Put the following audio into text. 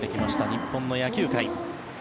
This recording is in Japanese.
日本の野球界。